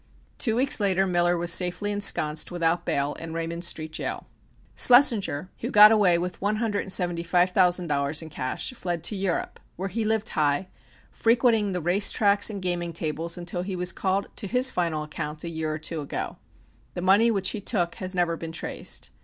Two weeks later Miller was safely ensconced without bail in Raymond Street jail. Schlessinger, who got away with one hundred and seventy five thousand dollars in cash, fled to Europe where he lived high, frequenting the race tracks and gaming tables until he was called to his final account a year or two ago. The money which he took has never been traced.